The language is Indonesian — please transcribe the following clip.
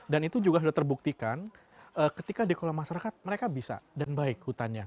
dan itu juga sudah terbuktikan ketika dikulang masyarakat mereka bisa dan baik hutannya